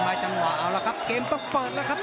เดิ้นวางได้แล้วครับเกมต้องเปิดแล้วครับ